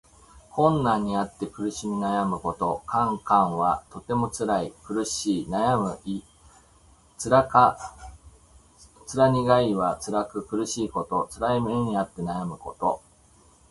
非常な困難にあって苦しみ悩むこと。「艱」「難」はともにつらい、苦しい、悩むの意。「辛苦」はつらく苦しいこと。つらい目にあって悩むこと。